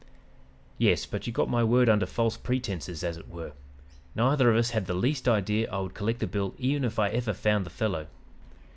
"'Yes, but you got my word under false pretenses, as it were. Neither of us had the least idea I would collect the bill even if I ever found the fellow.'